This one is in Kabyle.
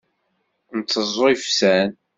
Nteẓẓu ifsan.